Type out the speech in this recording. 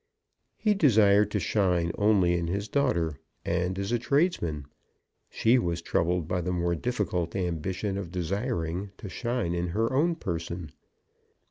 He desired to shine only in his daughter, and as a tradesman. She was troubled by the more difficult ambition of desiring to shine in her own person.